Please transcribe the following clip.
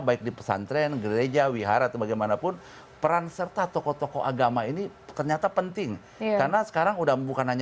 baik di pesantren gereja wihara atau bagaimanapun